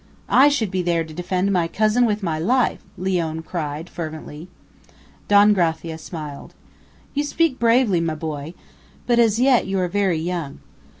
"I should be there to defend my cousin with my life!" Leone cried, fervently. Don Gracia smiled. "You speak bravely, my boy; but as yet you are very young.